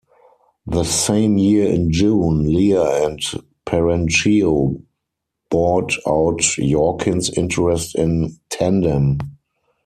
The same year in June, Lear and Perenchio bought out Yorkin's interest in Tandem.